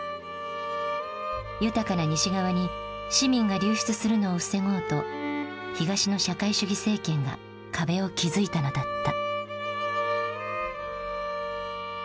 豊かな西側に市民が流出するのを防ごうと東の社会主義政権が壁を築いたのだった。